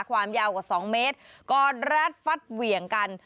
ความยาวกว่า๒เมตรก่อนรัดฟัดเหวี่ยงกัน